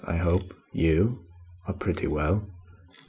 I hope you are pretty well!"